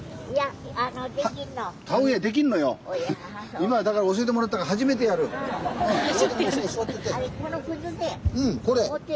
今だから教えてもらったからそこ座ってて。